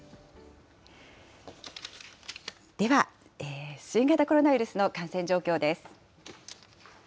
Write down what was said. では、新型コロナウイルスの感染状況です。